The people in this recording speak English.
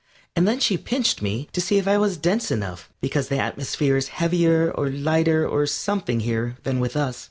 And then she pinched me to see if I was dense enough, because the atmosphere is heavier or lighter or something here than with us.